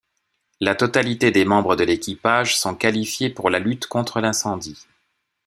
La totalité des membres de l'équipage sont qualifiés pour la lutte contre l'incendie.